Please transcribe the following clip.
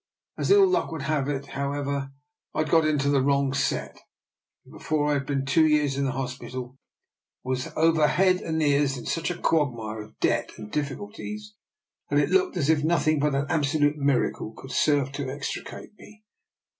As ill luck would have it, how ever, I had got into the wrong set, and be fore I had been two years in the hospital was over head and ears in such a quagmire of debt and difficulties that it looked as if nothing but an absolute miracle could serve to ex tricate me.